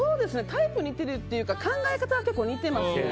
タイプが似てるっていうか考え方は結構、似ていますね。